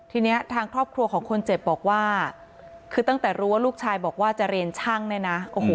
ทีนี้ทางครอบครัวของคนเจ็บบอกว่าคือตั้งแต่รู้ว่าลูกชายบอกว่าจะเรียนช่างเนี่ยนะโอ้โห